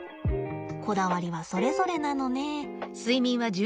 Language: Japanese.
こだわりはそれぞれなのね。